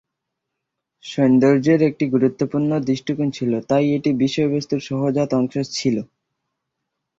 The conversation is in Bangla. সৌন্দর্যের একটি গুরুত্বপূর্ণ দৃষ্টিকোণ ছিল, তাই এটি বিষয়বস্তুর সহজাত অংশ ছিল,